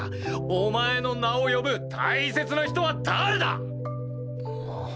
お前の名を呼ぶ大切な人は誰だ？